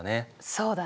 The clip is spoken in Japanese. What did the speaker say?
そうだね。